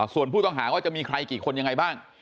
ส่วนผู้ต้องหาว่าจะมีใครกี่คนยังไงบ้าง